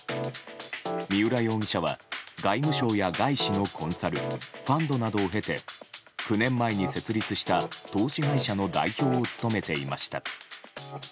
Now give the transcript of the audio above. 三浦容疑者は外務省や外資のコンサルファンドなどを経て９年前に設立した投資会社の代表を務めていました。